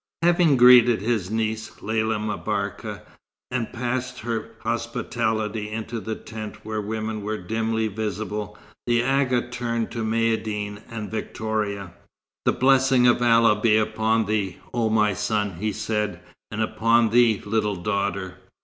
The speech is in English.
Having greeted his niece, Lella M'Barka, and passed her hospitably into the tent where women were dimly visible, the Agha turned to Maïeddine and Victoria. "The blessing of Allah be upon thee, O my son," he said, "and upon thee, little daughter.